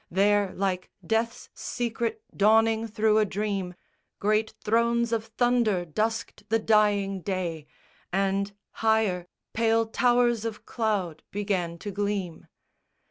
There, like death's secret dawning thro' a dream, Great thrones of thunder dusked the dying day, And, higher, pale towers of cloud began to gleam.